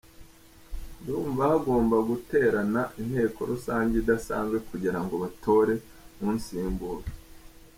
Ndumva hagomba guterana inteko rusange idasanzwe kugira ngo batore unsimbura.